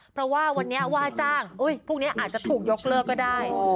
เพราะว่าวันนี้ว่าจ้างพวกนี้อาจจะถูกยกเลิกก็ได้